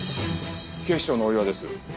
警視庁の大岩です。